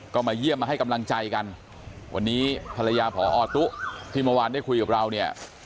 ก็มาเยี่ยมมาให้กำลังใจกันวันนี้ภรรยาพอตุ๊ที่เมื่อวานได้คุยกับเราเนี่ย